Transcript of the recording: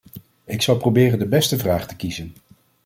Ik zal proberen de beste vraag te kiezen!